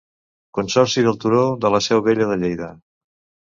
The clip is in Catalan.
Consorci del Turó de la Seu Vella de Lleida.